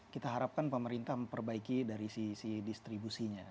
kita harapkan pemerintah memperbaiki dari sisi distribusinya